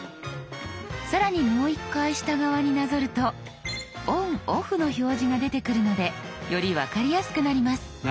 更にもう一回下側になぞると「ＯＮＯＦＦ」の表示が出てくるのでより分かりやすくなります。